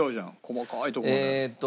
細かいとこまで。